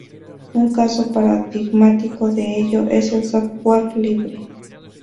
Un caso paradigmático de ello es el software libre.